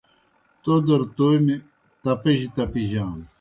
تودر تومیْ تِپجیْ تپِیجانوْ